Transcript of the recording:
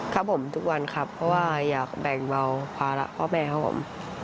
ครับผมทุกวันครับเพราะว่าอยากแบ่งเบาภาระพ่อแม่ครับผม